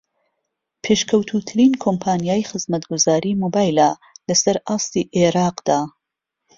پێشکەوتووترین كۆمپانياى خزمەتگوزاریی مۆبايلە لەسەر ئاستى عێراقدا